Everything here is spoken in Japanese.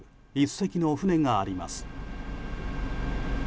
１隻の船があります。